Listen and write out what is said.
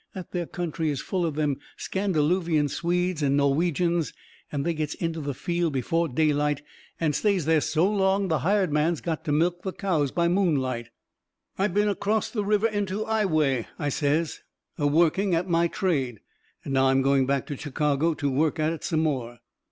That there country is full of them Scandiluvian Swedes and Norwegians, and they gets into the field before daylight and stays there so long the hired man's got to milk the cows by moonlight. "I been acrost the river into I'way," I says, "a working at my trade, and now I'm going back to Chicago to work at it some more."